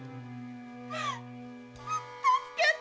助けて！